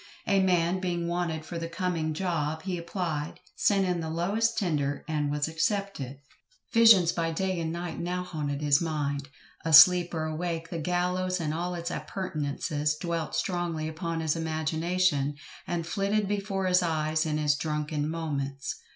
A man being wanted for the coming "job," he applied, sent in the "lowest tender," and was accepted. Visions by day and night now haunted his mind; asleep or awake the gallows and all its appurtenances dwelt strongly upon his imagination, and flitted before his eyes in his drunken moments.